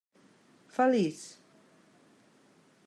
Feliç.